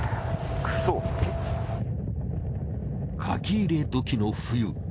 書き入れ時の冬